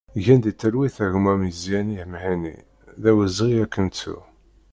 Gen di talwit a gma Mezyani Mhenni, d awezɣi ad k-nettu!